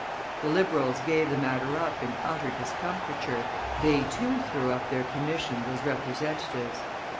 The Liberals gave the matter up in utter discomfiture; they, too, threw up their commissions as representatives.